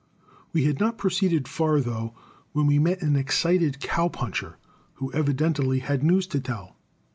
We had not proceeded far, though, when we met an excited "cow puncher," who evidently had news to tell.